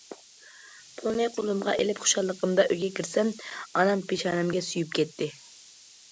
پۇلنى قولۇمغا ئېلىپ خۇشاللىقىمدا ئۆيگە كىرسەم ئانام پېشانەمگە سۆيۈپ كەتتى.